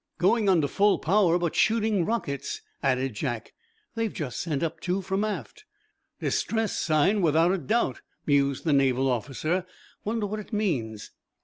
"Going under full power, but shooting rockets," added Jack. "They've just sent up two from aft." "Distress sign, without a doubt," mused the Naval officer. "Wonder what it means?"